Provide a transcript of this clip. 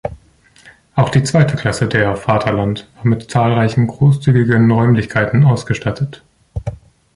Auch die Zweite Klasse der "Vaterland" war mit zahlreichen großzügigen Räumlichkeiten ausgestattet.